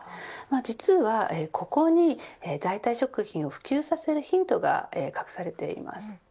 実はここに代替食品を普及させるヒントが隠されています。